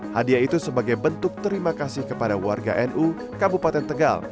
hadiah itu sebagai bentuk terima kasih kepada warga nu kabupaten tegal